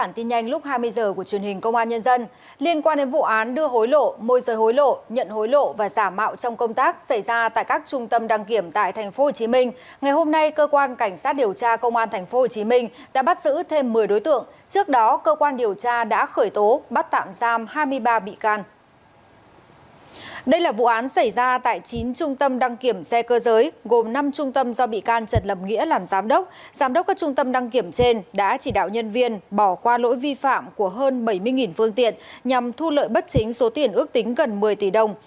trong năm trung tâm do bị can trật lầm nghĩa làm giám đốc giám đốc các trung tâm đăng kiểm trên đã chỉ đạo nhân viên bỏ qua lỗi vi phạm của hơn bảy mươi phương tiện nhằm thu lợi bất chính số tiền ước tính gần một mươi tỷ đồng